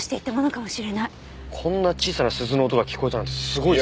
こんな小さな鈴の音が聞こえたなんてすごい。